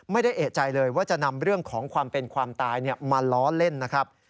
ไม่ได้เอกใจเลยว่าจะนำเรื่องของความเป็นความตายมาล้อเล่นนะครับ